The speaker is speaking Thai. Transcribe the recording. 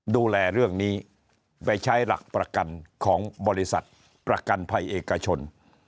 ดูแลเรื่องนี้ไปใช้หลักประกันของบริษัทประกันภัยเอกชน